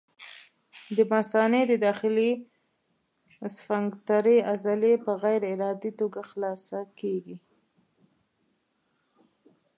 د مثانې د داخلي سفنکترې عضلې په غیر ارادي توګه خلاصه کېږي.